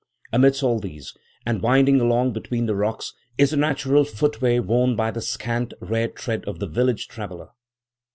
Amidst all these, and winding along between the rocks, is a natural footway worn by the scant, rare tread of the village traveller.